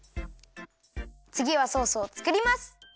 つぎはソースをつくります！